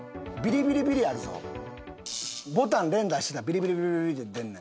ボタン連打してたらビリビリビリって出んねん。